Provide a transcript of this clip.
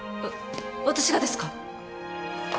私がですか！？